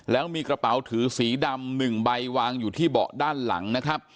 แล้วมีกระเป๋าถือสีดำ๑ใบวางอยู่ที่เบาะด้านหลังนะครับ